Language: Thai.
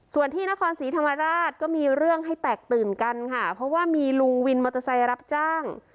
ส่วนที่นครศรีธรรมราชก็มีเรื่องให้แตกตื่นกันค่ะเพราะว่ามีลุงวินมอเตอร์ไซค์รับจ้าง